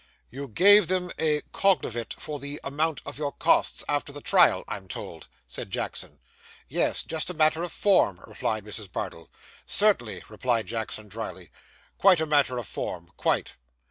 'You gave them a _cognovit _for the amount of your costs, after the trial, I'm told!' said Jackson. 'Yes. Just as a matter of form,' replied Mrs. Bardell. 'Certainly,' replied Jackson drily. 'Quite a matter of form. Quite.